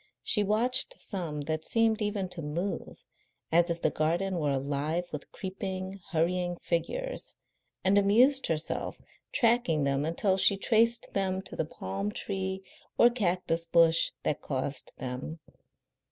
She watched some that seemed even to move, as if the garden were alive with creeping, hurrying figures, and amused herself tracking them until she traced them to the palm tree or cactus bush that caused them.